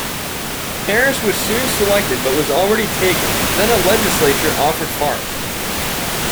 Paris was soon selected but was already taken, then a legislature offered Forest.